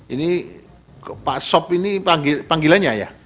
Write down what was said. ini pak sop ini panggilannya ya